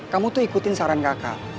kamu tuh ikutin saran kakak